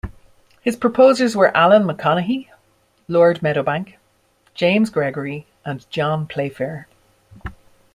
His proposers were Allan Maconochie, Lord Meadowbank, James Gregory, and John Playfair.